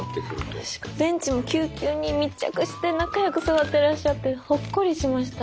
ベンチもきゅうきゅうに密着して仲良く座ってらっしゃってほっこりしました。